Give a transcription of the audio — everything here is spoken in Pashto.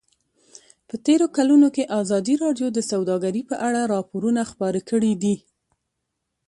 په تېرو کلونو کې ازادي راډیو د سوداګري په اړه راپورونه خپاره کړي دي.